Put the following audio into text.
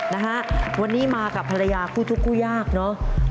นะฮะวันนี้มากับภรรยาคู่ทุกคู่ยากเนอะ